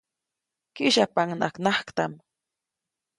Kyäsyapaʼuŋnaʼak najktaʼm.